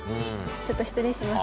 ちょっと失礼します。